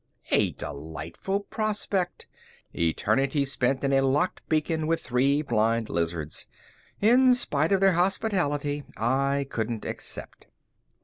A delightful prospect, eternity spent in a locked beacon with three blind lizards. In spite of their hospitality, I couldn't accept.